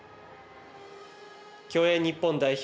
競泳日本代表